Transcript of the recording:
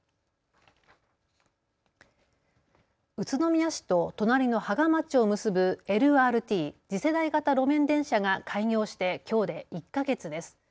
宇都宮市と隣の芳賀町を結ぶＬＲＴ・次世代型路面電車が開業してきょうで１か月です。